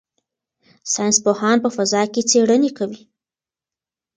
ساینس پوهان په فضا کې څېړنې کوي.